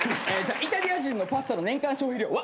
イタリア人のパスタの年間消費量は？